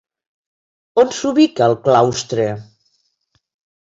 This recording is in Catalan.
On s'ubica el claustre?